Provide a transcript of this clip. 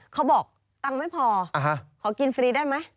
เขาบอกตังค์ไม่พอขอกินฟรีได้ไหม